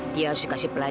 dia harus dikasih perhatian